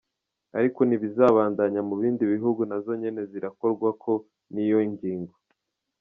Ariko n'izibandanya mu bindi bihugu nazo nyene zirakorwako n'iyo ngingo.